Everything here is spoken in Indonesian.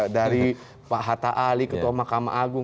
dari pak hatta ali ketua mahkamah agung